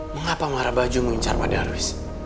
mengapa marah baju mengincar pada arwis